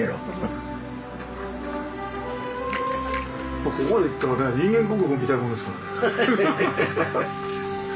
もうここまでいったらね人間国宝みたいなもんですからね。